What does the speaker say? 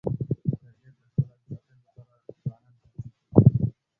د طبیعت د ښکلا د ساتنې لپاره ځوانان هڅې کوي.